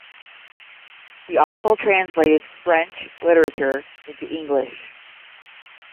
She also translated French literature into English.